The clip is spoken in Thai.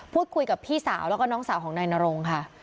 พูดคุยกับพี่สาวแล้วก็น้องสาวของนายนรงค่ะ